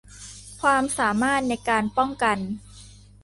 ความสามารถในการป้องกัน